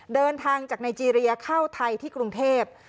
เดินทางจากไนเจรียเข้าไทยที่กรุงเทพ